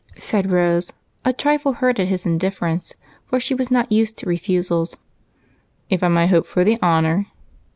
said Rose, a trifle hurt at his indifference, for she was not used to refusals. "If I may hope for the honor."